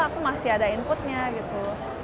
aku masih ada inputnya gitu